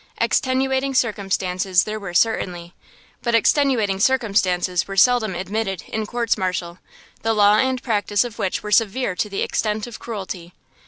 Extenuating circumstances there were certainly; but extenuating circumstances were seldom admitted in courts martial, the law and practice of which were severe to the extent of cruelty.